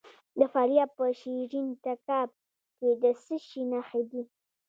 د فاریاب په شیرین تګاب کې د څه شي نښې دي؟